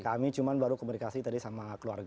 kami cuma baru komunikasi tadi sama keluarga